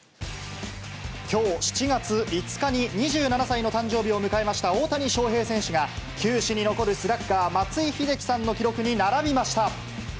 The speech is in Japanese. きょう７月５日に、２７歳の誕生日を迎えました大谷翔平選手が、球史に残るスラッガー、松井秀喜さんの記録に並びました。